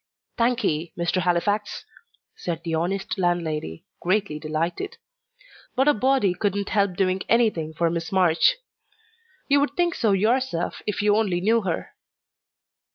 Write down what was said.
"Thank'ee, Mr. Halifax," said the honest landlady, greatly delighted. "But a body couldn't help doing anything for Miss March. You would think so yourself, if you only knew her."